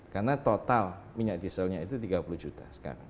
karena total minyak dieselnya itu tiga puluh juta sekarang